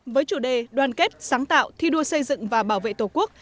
với chủ đề đoàn kết sáng tạo thi đua xây dựng và bảo vệ tổ quốc